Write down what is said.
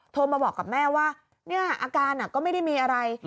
โทรมาบอกกับแม่ว่าเนี่ยอาการก็ไม่ได้มีอะไร